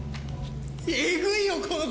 えぐいよ、この子。